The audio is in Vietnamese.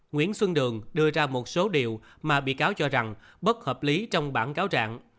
nguyễn xuân đường đưa ra một số điều mà bị cáo cho rằng bất hợp lý trong bản cáo trạng